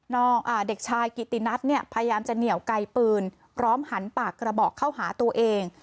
เด็กชายกิตินัทเนี่ยพยายามจะเหนียวไกลปืนพร้อมหันปากกระบอกเข้าหาตัวเอง